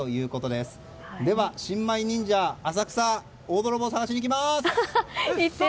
では、新米忍者浅草大泥棒探しに行きます！